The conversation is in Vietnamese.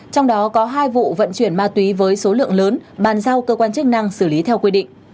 trong đó có hai vụ vận chuyển ma túy với số lượng lớn bàn giao cơ quan chức năng xử lý theo quy định